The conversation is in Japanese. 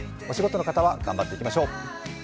お仕事の方は頑張っていきましょう。